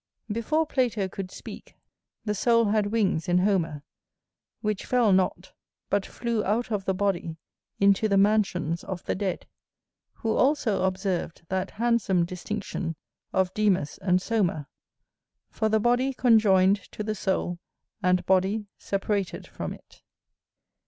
Before Plato could speak, the soul had wings in Homer, which fell not, but flew out of the body into the mansions of the dead; who also observed that handsome distinction of Demas and Soma, for the body conjoined to the soul, and body separated from it.